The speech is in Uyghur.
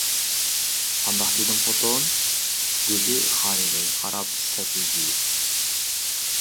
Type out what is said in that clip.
قانداق دېدىم خوتۇن؟ -دېدى خالىدەگە قاراپ سەت ھىجىيىپ.